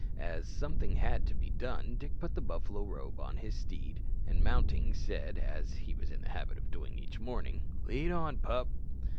As something had to be done, Dick put the buffalo robe on his steed, and mounting said, as he was in the habit of doing each morning, "Lead on, pup."